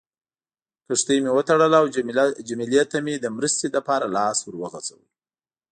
کښتۍ مې وتړله او جميله ته مې د مرستې لپاره لاس ور وغځاوه.